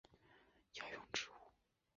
龙胆与雪绒花同属典型的和药用植物。